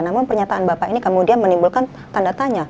namun pernyataan bapak ini kemudian menimbulkan tanda tanya